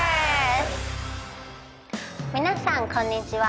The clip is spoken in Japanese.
皆さんこんにちは。